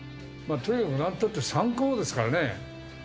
とにかくなんたって三冠王ですからね。